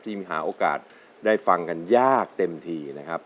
มีโอกาสได้ฟังกันยากเต็มทีนะครับ